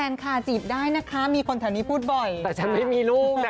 เป็นคนที่ได้ถ่ายไห้แต่รู้จักกันนะคะ